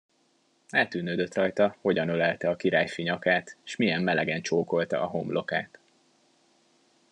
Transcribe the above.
Eltűnődött rajta, hogyan ölelte a királyfi nyakát, s milyen melegen csókolta a homlokát.